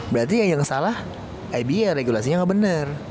berarti yang salah ibm regulasinya gak bener